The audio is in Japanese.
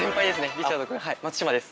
リチャード君松島です。